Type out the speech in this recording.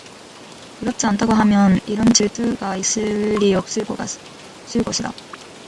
그렇지 않다고 하면 이런 질투가 있을리 없을 것이다.